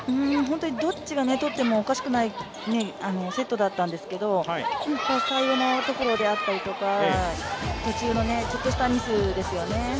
どっちが取ってもおかしくないセットだったんですけど最後のところであったり、途中のちょっとしたミスですよね。